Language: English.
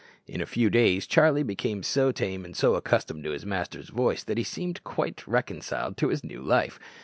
In a few days Charlie became so tame and so accustomed to his master's voice that he seemed quite reconciled to his new life.